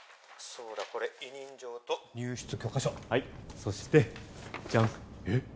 そうだこれ委任状と入室許可証そしてジャンえっ？